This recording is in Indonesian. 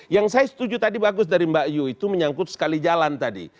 yang saya setuju tadi bagus dari mbak yu itu menyangkut sekali jalan tadi